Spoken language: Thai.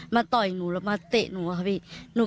มาต่อยหนูมาเตะหนู